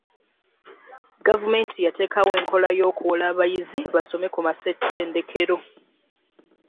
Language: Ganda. Gavumenti yateekawo enkola y'okuwola abayizi basome ku masettendekero.